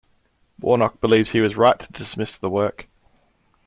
Warnock believes he was right to dismiss the work.